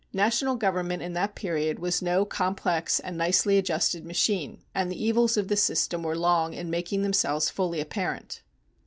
National government in that period was no complex and nicely adjusted machine, and the evils of the system were long in making themselves fully apparent.